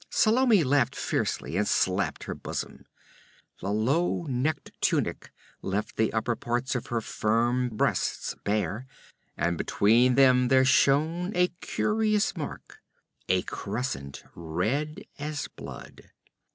Salome laughed fiercely, and slapped her bosom. The low necked tunic left the upper parts of her firm breasts bare, and between them there shone a curious mark a crescent, red as blood.